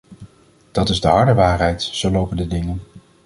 Dat is de harde waarheid; zo lopen de dingen.